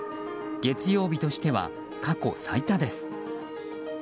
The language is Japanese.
月曜日としては過去最多です。